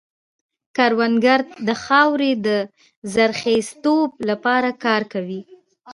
کروندګر د خاورې د زرخېزتوب لپاره کار کوي